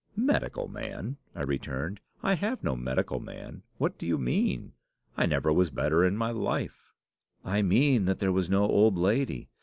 "'Medical man!' I returned; 'I have no medical man. What do you mean? I never was better in my life.' "'I mean that there was no old lady.